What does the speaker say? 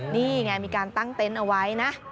นี่ไงมีการตั้งเต็นต์เอาไว้นะ